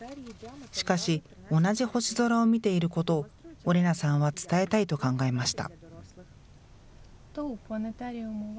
しかし同じ星空を見ていることをオレナさんは伝えたいと考えました。